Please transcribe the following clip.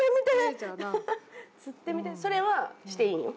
それはしていいんよ。